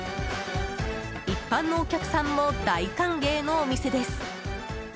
一般のお客さんも大歓迎のお店です。